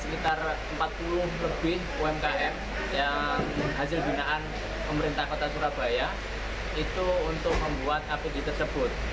jadi kemudian memberdayakan sekitar empat puluh lebih umkm yang hasil binaan pemerintah kota surabaya itu untuk membuat apd tersebut